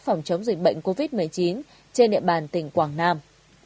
phòng chống dịch bệnh covid một mươi chín trên địa bàn tỉnh quảng nam